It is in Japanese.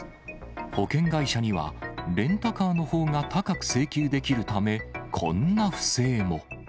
保険会社にはレンタカーのほうが高く請求できるため、こんな不正も。